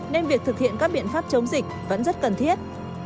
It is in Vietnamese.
nên việc thực hiện các biện pháp chống dịch vẫn rất cần thiết